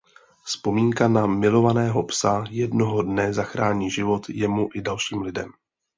Vzpomínka na milovaného psa jednoho dne zachrání život jemu i dalším lidem.